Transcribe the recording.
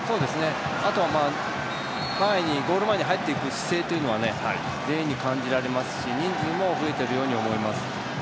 あとはゴール前に入っていく姿勢は全員に感じられますし人数も増えているように思います。